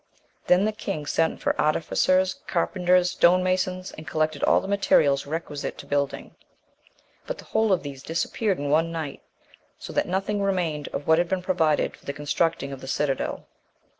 Then the king sent for artificers, carpenters, stone masons, and collected all the materials requisite to building; but the whole of these disappeared in one night, so that nothing remained of what had been provided for the constructing of the citadel.